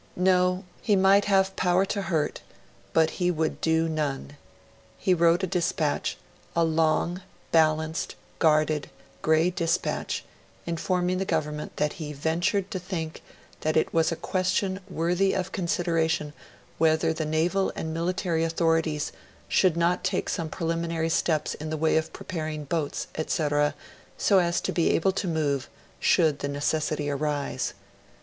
No; he might have 'power to hurt', but he would 'do none'. He wrote a dispatch a long, balanced, guarded, grey dispatch, informing the Government that he 'ventured to think' that it was 'a question worthy of consideration whether the naval and military authorities should not take some preliminary steps in the way of preparing boats, etc., so as to be able to move, should the necessity arise'.